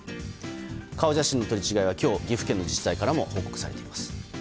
顔写真の取り違えは今日岐阜県の自治体からも報告されています。